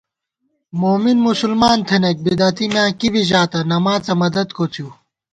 مومن مسلمان تھنَئیک بدعتی میاں کِبی ژاتہ نماڅہ مدد کوڅِؤ